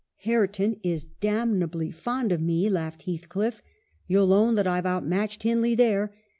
"' Hareton is damnably fond of me !' laughed Heathcliff. ' You'll own that I've outmatched Hindley there.